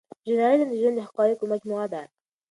ژورنالیزم د ژوند د حقایقو مجموعه ده.